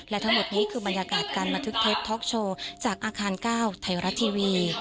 และทั้งหมดนี้คือบรรยากาศการบันทึกเทปท็อกโชว์จากอาคาร๙ไทยรัฐทีวี